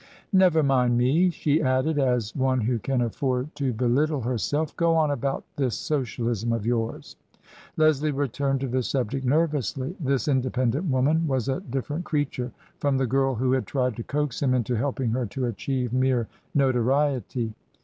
" Never mind me," she added, as one who can afford to belittle herself; "go on about this Socialism of yours." Leslie returned to the subject nervously. This in dependent woman was a different creature from the girl who had tried to coax him into helping her to achieve mere notoriety.